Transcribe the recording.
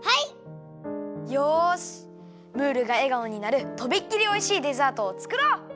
よしムールがえがおになるとびっきりおいしいデザートをつくろう。